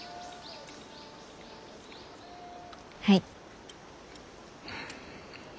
はい。